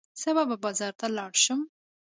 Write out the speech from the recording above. سبا به بازار ته لاړ شم.